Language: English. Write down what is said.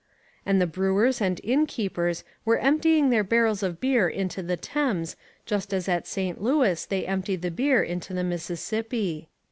And the brewers and innkeepers were emptying their barrels of beer into the Thames just as at St. Louis they emptied the beer into the Mississippi.